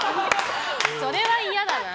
それは嫌だな。